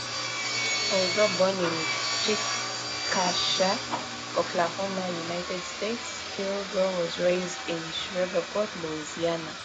Although born in Chickasha, Oklahoma, United States, Kilgore was raised in Shreveport, Louisiana.